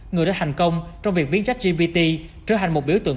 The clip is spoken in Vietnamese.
người đã thành công trong việc biến trách gpt trở thành một biểu tượng